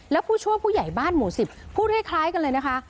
แล้วผู้ช่วยผู้ใหญ่บ้านหมู่๑๐พูดคล้ายกันเลยนะคะ